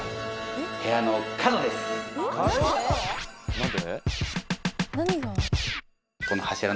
何で？